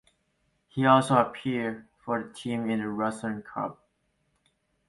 He also appeared for the team in the Russian Cup.